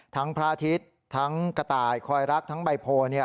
ทั้งพระอาทิตย์กระต่ายฮอยรักษ์ใบโพ